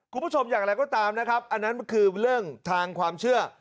คุณผู้ชมอย่างไรก็ตามนะครับอันนั้นมันคือเรื่องทางความเชื่อ